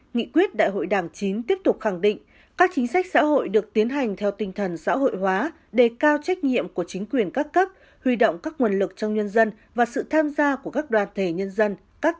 nghị quyết đại hội đảng chín tiếp tục khẳng định các chính sách xã hội được tiến hành theo tinh thần xã hội hóa đề cao trách nhiệm của chính quyền các cấp huy động các nguồn lực trong nhân dân và sự tham gia của các đoàn thể nhân dân